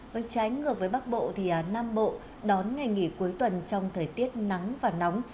với trái ngược với bắc bộ thì nam bộ đón ngày nghỉ cuối tuần trong thời tiết nắng và nóng